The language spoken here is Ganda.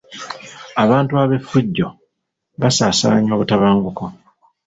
Abantu ab'effujjo basaasaanya obutabanguko.